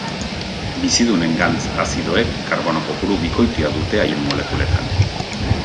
Bizidunen gantz azidoek karbono kopuru bikoitia dute haien molekuletan.